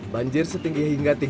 banjir setinggi hingga tiga puluh cm